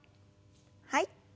はい。